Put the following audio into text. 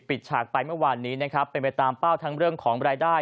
ฉากไปเมื่อวานนี้นะครับเป็นไปตามเป้าทั้งเรื่องของรายได้